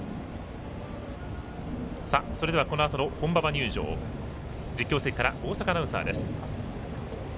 それでは、このあとの本馬場入場実況席から大坂アナウンサーです。